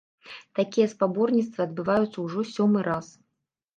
Такія спаборніцтвы адбываюцца ўжо сёмы раз.